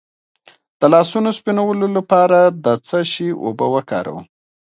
د لاسونو د سپینولو لپاره د څه شي اوبه وکاروم؟